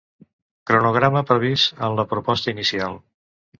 Cronograma previst en la proposta inicial.